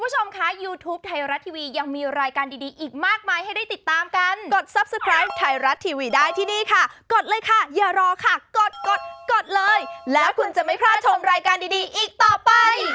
ใช่แล้วค่ะน่าติดตามมากนะครับ